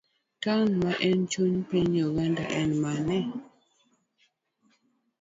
Taon ma en chuny piny Uganda en mane?